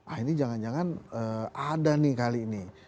ah ini jangan jangan ada nih kali ini